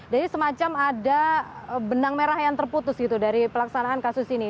semacam ada benang merah yang terputus gitu dari pelaksanaan kasus ini